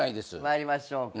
参りましょうか。